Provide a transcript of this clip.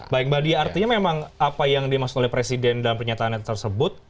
baik mbak dia artinya memang apa yang dimaksud oleh presiden dalam pernyataannya tersebut